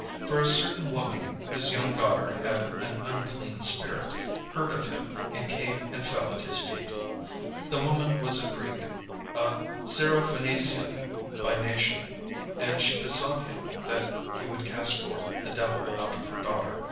For a certain woman, whose young daughter had an unclean spirit, heard of him, and came and fell at his feet: the woman was a Greek, a Syrophenician by nation; and she besought him that he would cast forth the devil out of her daughter.